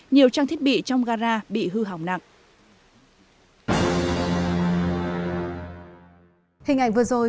nhiều trang thiết bị trong gara bị hư hỏng nặng